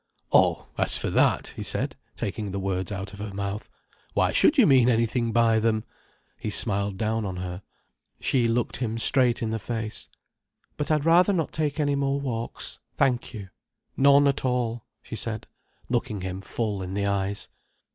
"Oh, as for that," he said, taking the words out of her mouth. "Why should you mean anything by them!" He smiled down on her. She looked him straight in the face. "But I'd rather not take any more walks, thank you—none at all," she said, looking him full in the eyes.